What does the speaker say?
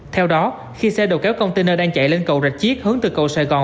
theo đó khi xe đầu kéo container đang chạy lên cầu rạch chiếc hướng từ cầu sài gòn